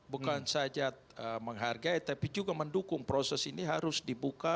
bukan saja menghargai tapi juga mendukung proses ini harus dibuka